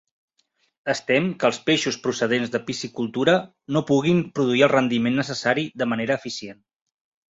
Es tem que els peixos procedents de piscicultura no puguin produir el rendiment necessari de manera eficient.